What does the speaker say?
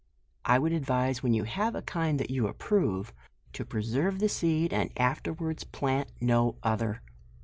I would advise, when you have a kind that you approve, to preserve the seed, and af terwards plant no other.